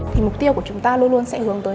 thì mục tiêu của chúng ta luôn luôn sẽ hướng tới